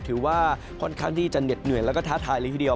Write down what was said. ถือว่าค่อนข้างที่จะเหน็ดเหนื่อยแล้วก็ท้าทายเลยทีเดียว